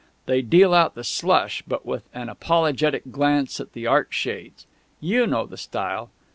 They deal out the slush, but with an apologetic glance at the Art Shades; you know the style!